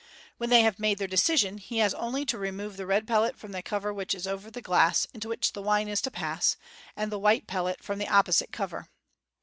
When they have made their decision, he has only to remove the red pellet from the cover which is over the glass into which the wine is to pass, and the white pellet from the opposite cover.